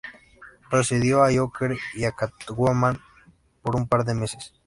Precedió a Joker y a Catwoman por un par de meses.